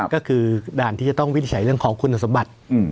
ก็คือด่านที่จะต้องวินิจฉัยเรื่องของคุณสมบัติ